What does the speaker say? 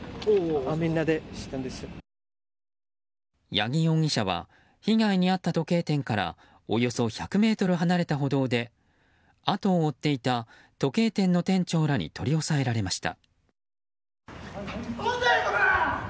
八木容疑者は被害に遭った時計店からおよそ１００ｍ離れた歩道で後を追っていた時計店の店長らに取り押さえられました。